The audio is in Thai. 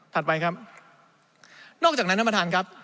ถัดไปครับนอกจากนั้นน้ำประทานครับ